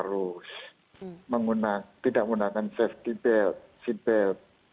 harus tidak menggunakan safety belt seat belt